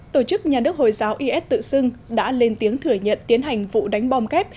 tổ chức nhà nước hồi giáo is tự xưng đã lên tiếng thừa nhận tiến hành vụ đánh bom kép